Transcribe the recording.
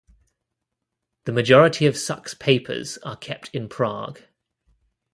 The majority of Suk's papers are kept in Prague.